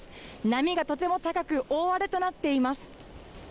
波がとても高く、大荒れとなっています。